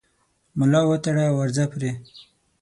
ملا وتړه او ورځه پرې